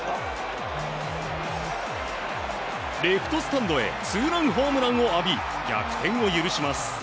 レフトスタンドへツーランホームランを浴び逆転を許します。